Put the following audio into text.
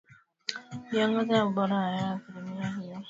miongozo ya ubora wa hewa Asilimia hiyo